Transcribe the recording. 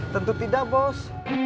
tentu tidak bos